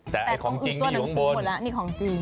แต่ของจริงนี่อยู่ข้างบน